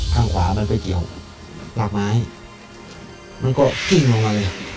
ข้างขวามันไปเกี่ยวรากไม้มันก็กิ้งลงมาเลย